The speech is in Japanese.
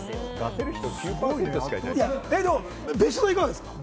別所さん、いかがですか？